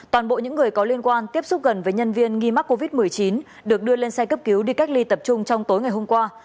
toàn bộ những người có liên quan tiếp xúc gần với nhân viên nghi mắc covid một mươi chín được đưa lên xe cấp cứu đi cách ly tập trung trong tối ngày hôm qua